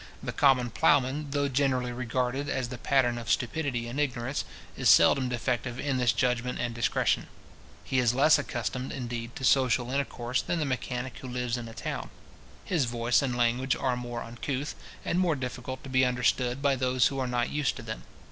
The common ploughman, though generally regarded as the pattern of stupidity and ignorance, is seldom defective in this judgment and discretion. He is less accustomed, indeed, to social intercourse, than the mechanic who lives in a town. His voice and language are more uncouth, and more difficult to be understood by those who are not used to them.